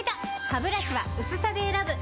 ハブラシは薄さで選ぶ！